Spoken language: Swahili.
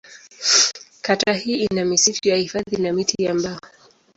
Kata hii ina misitu ya hifadhi na miti ya mbao.